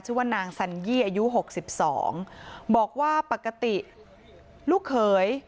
ชื่อว่านางสัญญี่อายุ๖๒บอกว่าปกติลูกเคย